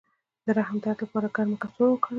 د رحم د درد لپاره ګرمه کڅوړه وکاروئ